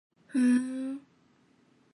ふーん